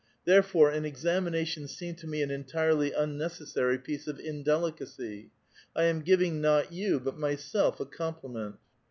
Therefore, an examination seemed to me an entirely unnecessary piece of indelicacy. I am giving not you, but myself, a compliment